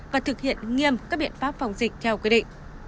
và thực hiện nghiêm các biện pháp phòng dịch theo quy định